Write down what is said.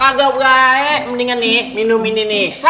tadi temennya luar biasa